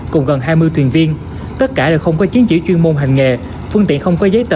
cùng gần hai mươi thuyền viên